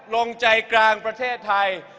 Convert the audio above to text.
ลงใจกลางประเทศไทย